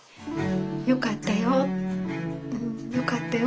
よかったよよかったよ